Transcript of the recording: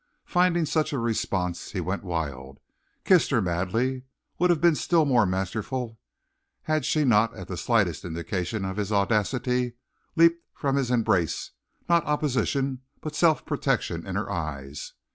Finding such a response he went wild, kissed her madly, would have been still more masterful had she not, at the slightest indication of his audacity, leaped from his embrace, not opposition but self protection in her eyes.